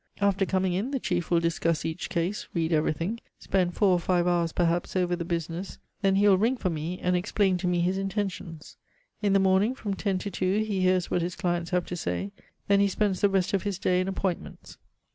After coming in the chief will discuss each case, read everything, spend four or five hours perhaps over the business, then he will ring for me and explain to me his intentions. In the morning from ten to two he hears what his clients have to say, then he spends the rest of his day in appointments.